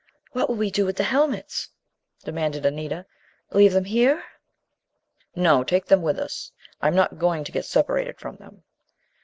"What will we do with the helmets?" demanded Anita. "Leave them here?" "No, take them with us. I'm not going to get separated from them!"